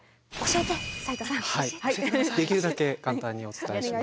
はいできるだけ簡単にお伝えします。